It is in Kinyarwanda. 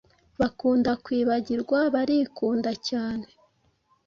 bakunda kwibagirwa, barikunda cyane